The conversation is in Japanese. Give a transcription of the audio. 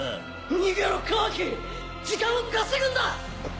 逃げろカワキ時間を稼ぐんだ！